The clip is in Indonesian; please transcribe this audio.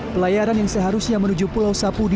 pelayaran yang seharusnya menuju pulau sapudi